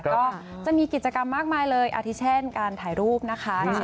ก็จะมีกิจกรรมมากมายเลยอาทิเช่นการถ่ายรูปนะคะ